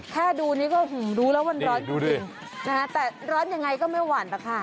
แค่ดูนี่ก็รู้แล้ววันร้อนจริงแต่ร้อนยังไงก็ไม่หวานล่ะค่ะ